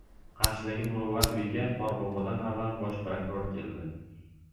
Qarshidagi muruvvat uyiga Qorbobodan avval Bosh prokuror keldi